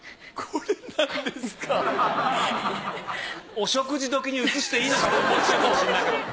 お食事時に映していいのかと思っちゃうかもしれないけど。